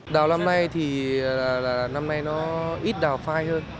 đào năm nay thì năm nay nó ít đào phai hơn